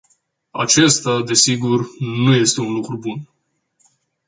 Acesta, desigur, nu este un lucru bun.